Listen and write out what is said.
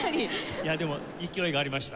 いやでも勢いがありました。